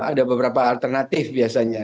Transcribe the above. ada beberapa alternatif biasanya